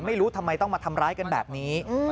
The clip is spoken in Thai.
ไม่รู้ทำไมต้องมาทำร้ายกันแบบนี้